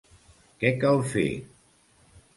Què cal fer?